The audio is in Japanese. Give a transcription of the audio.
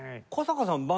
古坂さん